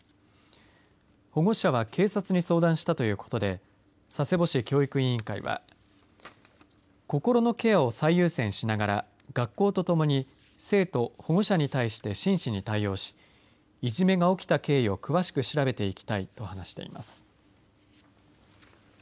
保護者は警察に相談したということで佐世保市教育委員会は心のケアを最優先しながら学校と共に生徒保護者に対して真摯に対応しいじめが起きた経緯を詳しく調べていきたいと話しています。